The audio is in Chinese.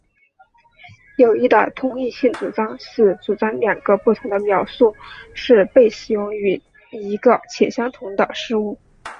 有益的同一性主张是主张两个不同的描述是被使用于一个且相同的事物。